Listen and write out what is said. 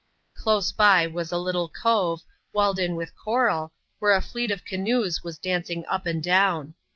Close by was a little cove, walled in with coral, where «. ^<^«t q>^ <iasss^^ wns dancing vp and down.